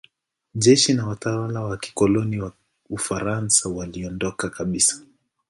Jeshi na watawala wa kikoloni wa Ufaransa waliondoka kabisa.